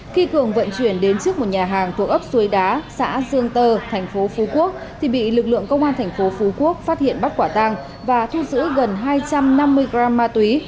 khi cường vận chuyển đến trước một nhà hàng thuộc ấp suối đá xã dương tơ thành phố phú quốc thì bị lực lượng công an thành phố phú quốc phát hiện bắt quả tang và thu giữ gần hai trăm năm mươi gram ma túy